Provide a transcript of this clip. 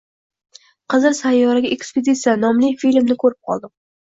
Qizil sayyoraga ekspeditsiya nomli filmni ko’rib qoldim